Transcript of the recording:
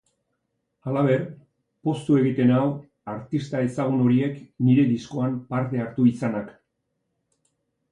Halaber, poztu egiten nau artista ezagun horiek nire diskoan parte hartu izanak.